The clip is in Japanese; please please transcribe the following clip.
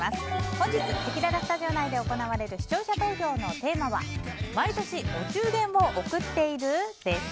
本日、せきららスタジオ内で行われる視聴者投票のテーマは毎年、お中元を贈っている？です。